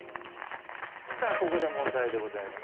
さあここで問題でございます。